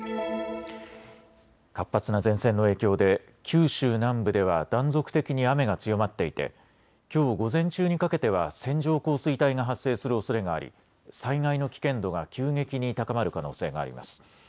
活発な前線の影響で九州南部では断続的に雨が強まっていてきょう午前中にかけては線状降水帯が発生するおそれがあり、災害の危険度が急激に高まる可能性があります。